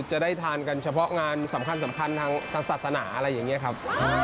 จะได้ทานกันเฉพาะงานสำคัญทางศาสนาอะไรอย่างนี้ครับ